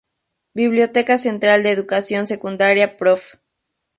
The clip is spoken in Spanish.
Biblioteca Central de Educación Secundaria Prof.